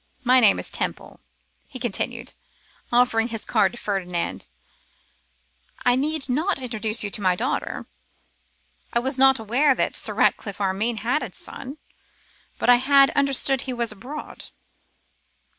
My name is Temple,' he continued, offering his card to Ferdinand. 'I need not now introduce you to my daughter. I was not unaware that Sir Ratcliffe Armine had a son, but I had understood he was abroad.